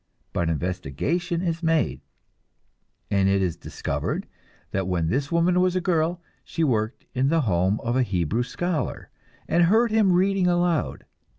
But investigation is made, and it is discovered that when this woman was a girl, she worked in the home of a Hebrew scholar, and heard him reading aloud.